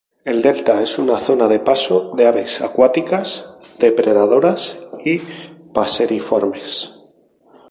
El delta es una zona de paso de aves acuáticas, depredadoras y paseriformes.